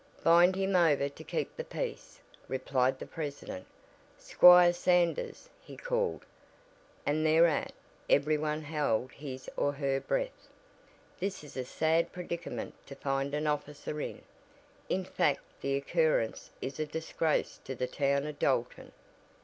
"Bind him over to keep the peace," replied the president. "Squire Sanders," he called, and thereat every one held his or her breath, "this is a sad predicament to find an officer in. In fact the occurrence is a disgrace to the town of Dalton."